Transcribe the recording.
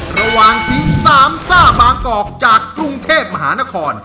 ระหว่างทีมสามซ่าบางกอกจากกรุงเทพมหานคร